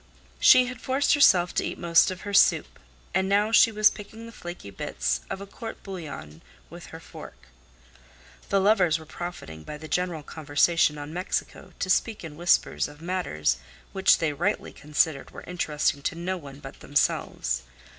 She had forced herself to eat most of her soup, and now she was picking the flaky bits of a court bouillon with her fork. The lovers were profiting by the general conversation on Mexico to speak in whispers of matters which they rightly considered were interesting to no one but themselves.